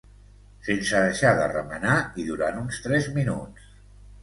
sense deixar de remenar i durant uns tres minuts